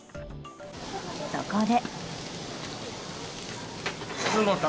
そこで。